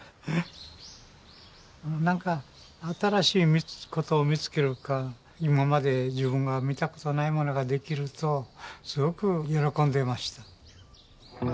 何か新しいことを見つけるか今まで自分が見たことないものが出来るとすごく喜んでいました。